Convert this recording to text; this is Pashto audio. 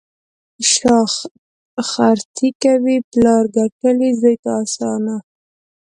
شا خرڅي کوي: پلار ګټلي، زوی ته اسانه.